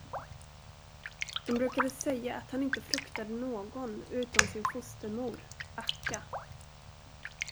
De brukade säga, att han inte fruktade någon utom sin fostermor, Akka.